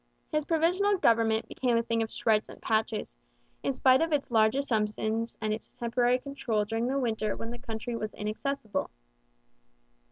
His provisional government became a thing of shreds and patches, in spite of its large assumptions and its temporary control during the winter when the country was inaccessible.